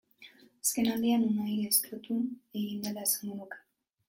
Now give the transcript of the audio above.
Azkenaldian Unai gaiztotu egin dela esango nuke.